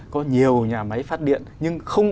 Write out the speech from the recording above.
có nhiều nhà máy phát điện nhưng không